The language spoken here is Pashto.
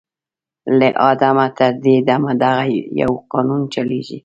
« له آدمه تر دې دمه دغه یو قانون چلیږي